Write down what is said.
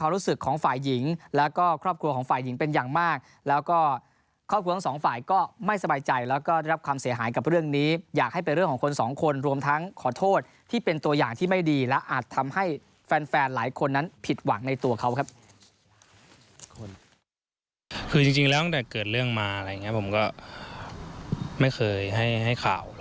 ให้แฟนหลายคนนั้นผิดหวังในตัวเขาครับ